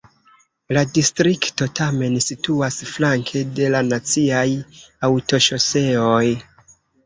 La distrikto tamen situas flanke de la naciaj aŭtoŝoseoj.